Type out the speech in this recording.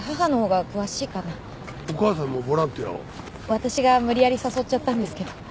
私が無理やり誘っちゃったんですけど。